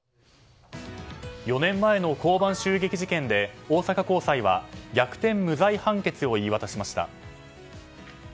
４年前の交番襲撃事件で大阪高裁は逆転無罪判決を言い渡しました。